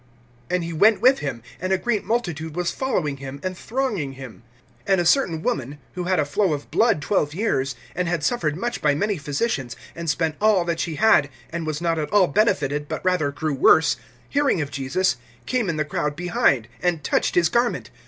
(24)And he went with him; and a great multitude was following him, and thronging him. (25)And a certain woman, who had a flow of blood twelve years, (26)and had suffered much by many physicians, and spent all that she had, and was not at all benefited but rather grew worse, (27)hearing of Jesus, came in the crowd behind, and touched his garment.